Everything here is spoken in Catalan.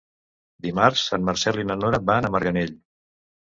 Dimarts en Marcel i na Nora van a Marganell.